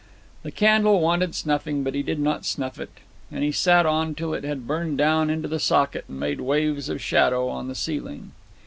The candle wanted snuffing, but he did not snuff it, and he sat on till it had burnt down into the socket and made waves of shadow on the ceiling.